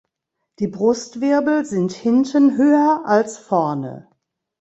Die Brustwirbel sind hinten höher als vorne.